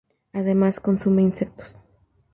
Además consume insectos.